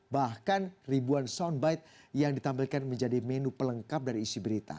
bahkan ribuan soundbite yang ditampilkan menjadi menu pelengkap dari isi berita